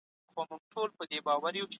سیاستپوهنه په کومو علومو کې راځي؟